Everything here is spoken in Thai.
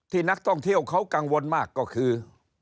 นักท่องเที่ยวเขากังวลมากก็คือ